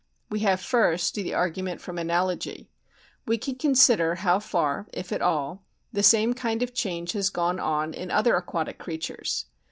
We have first the argument from analogy. We can consider how far, if at all, the same kind of change has gone on in other aquatic creatures.